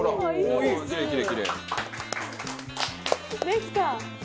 できた！